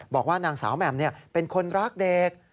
บอกว่านางสาวแหม่มเป็นคนรักเด็ก